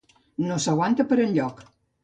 No s’aguanta per enlloc.